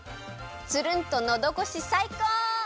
つるんとのどごしさいこう！